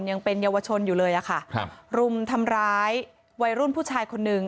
ยังเป็นเยาวชนอยู่เลยอะค่ะครับรุมทำร้ายวัยรุ่นผู้ชายคนหนึ่ง